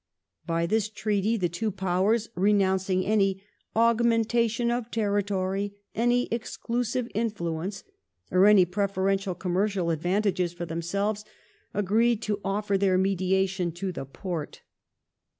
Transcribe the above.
By this Treaty the two Powei*s renouncing any augmentation of terri tory, any exclusive influence," or any preferential commercial advantages for themselves, agreed to offer their mediation to the Porte.